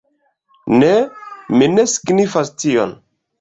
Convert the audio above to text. Ne, mi ne signifas tion.